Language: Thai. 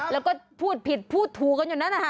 แล้วก็พูดผิดพูดถูกกันอยู่นั่นนะคะ